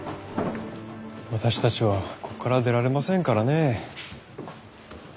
私たちはここから出られませんからね。